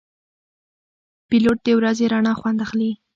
پیلوټ د ورځې رڼا خوند اخلي.